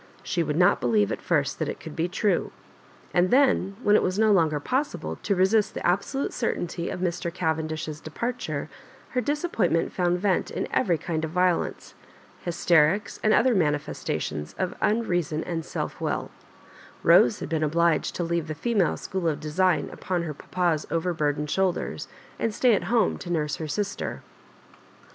She would not believe at first that it could be true; and then^ when it Digitized by VjOOQIC 64 WSa MABJOBIBANEB. was DO longer possible to reidst the absolute certainty of Mr. Cavendish's departure, her dis appointment found vent in eveij kind of violence — hysterics, and other manifestations of un reason and self wilL Bose had been obliged to leave the Female School of Design upon her papa's over burd^ed shoulders, and stay at home to nurse her sister.